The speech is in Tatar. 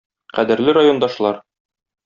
Кадерле райондашлар!